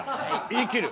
言い切る。